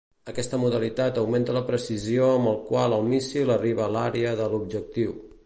Aquesta modalitat augmenta la precisió amb la qual el míssil arriba l'àrea de l'objectiu.